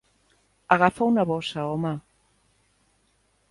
Agafa una bossa, home.